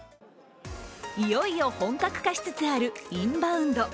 いよいよ本格化しつつあるインバウンド。